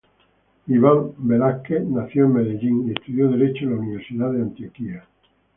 Iván Velásquez nació en Medellín y estudió derecho en la Universidad de Antioquia.